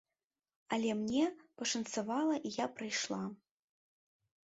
Але мне пашанцавала, і я прайшла.